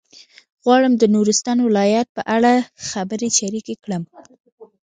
غواړم د نورستان ولایت په اړه خبرې شریکې کړم.